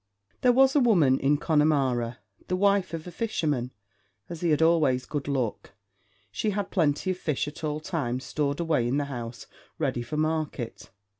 There was a woman in Connemara, the wife of a fisherman; as he had always good luck, she had plenty of fish at all times stored away in the house ready for market.